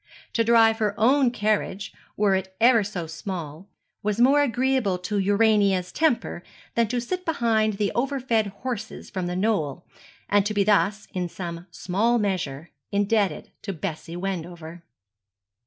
To drive her own carriage, were it ever so small, was more agreeable to Urania's temper than to sit behind the over fed horses from The Knoll, and to be thus, in some small measure, indebted to Bessie Wendover.